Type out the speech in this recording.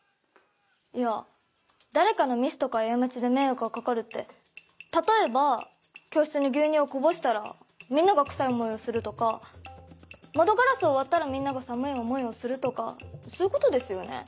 いや誰かのミスとか過ちで迷惑がかかるって例えば教室に牛乳をこぼしたらみんなが臭い思いをするとか窓ガラスを割ったらみんなが寒い思いをするとかそういうことですよね？